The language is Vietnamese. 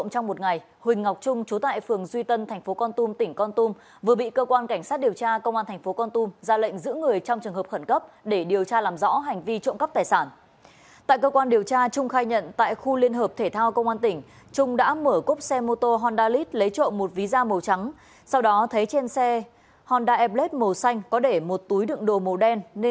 trương thanh lâm là người cùng thực hiện hành vi bắt người trong trường hợp khẩn cấp đối với hai đối tượng trên